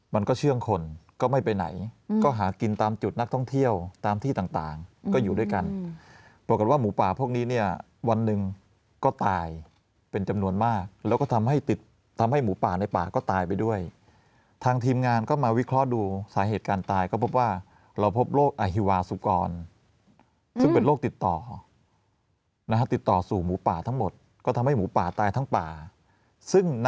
มันก็เชื่องคนก็ไม่ไปไหนก็หากินตามจุดนักท่องเที่ยวตามที่ต่างก็อยู่ด้วยกันปรากฏว่าหมูป่าพวกนี้เนี่ยวันหนึ่งก็ตายเป็นจำนวนมากแล้วก็ทำให้ติดทำให้หมูป่าในป่าก็ตายไปด้วยทางทีมงานก็มาวิเคราะห์ดูสาเหตุการตายก็พบว่าเราพบโรคอฮิวาสุกรซึ่งเป็นโรคติดต่อนะฮะติดต่อสู่หมูป่าทั้งหมดก็ทำให้หมูป่าตายทั้งป่าซึ่งน